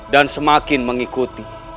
dan semakin mengikuti